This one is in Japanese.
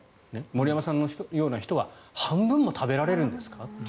森山さんのような人は半分食べられるの？